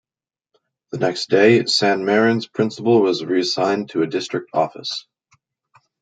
The next day, San Marin's principal was reassigned to a District office.